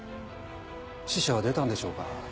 死者は出たんでしょうか？